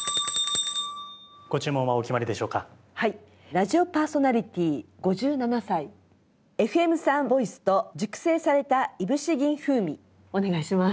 「ラジオパーソナリティー５７歳ＦＭ産ボイスと熟成されたいぶし銀風味」お願いします。